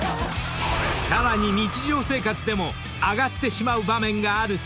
［さらに日常生活でもあがってしまう場面があるそう］